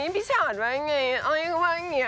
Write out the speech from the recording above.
พี่ชอดว่าไง